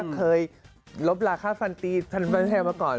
เคยลบลาค่าฟันตีแฟนไทยมาก่อน